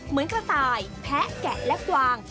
เหมือนกระต่ายแพ้แกะและกวาง